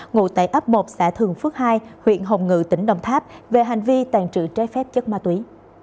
ngụ tại ấp một xã thường phước hai huyện hồng ngự tỉnh đồng tháp về hành vi tàn trự trái phép chất ma túy